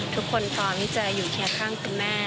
ทุกคนพร้อมที่จะอยู่เคียงข้างคุณแม่